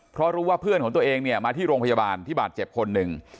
เพราะรู้ว่าเพื่อนของตัวเองเนี่ยมาที่โรงพยาบาลที่บาดเจ็บคนหนึ่ง